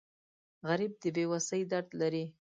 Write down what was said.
غریب د بې وسۍ درد لري